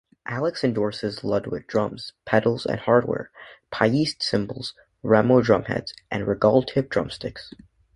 Alex endorses Ludwig drums, pedals and hardware, Paiste cymbals, Remo drumheads and Regaltip drumsticks.